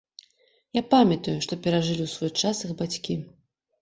Я памятаю, што перажылі ў свой час іх бацькі.